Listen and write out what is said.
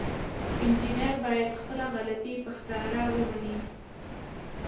انجینر باید خپله غلطي په ښکاره ومني.